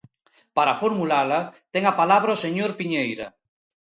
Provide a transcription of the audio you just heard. Para formulala ten a palabra o señor Piñeira.